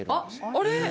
あれ？